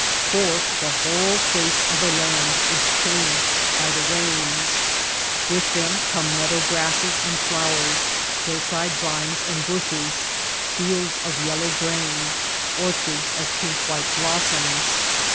For the whole face of a land is changed by the rains. With them come meadow grasses and flowers, hillside vines and bushes, fields of yellow grain, orchards of pink white blossoms.